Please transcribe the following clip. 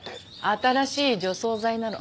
新しい除草剤なの。